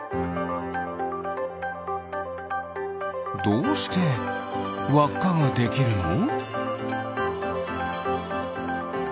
どうしてわっかができるの？